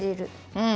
うん！